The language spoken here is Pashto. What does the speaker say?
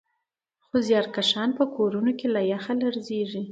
خو زیارکښان په کورونو کې له یخه لړزېږي